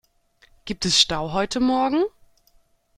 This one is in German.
Gibt es Stau heute morgen?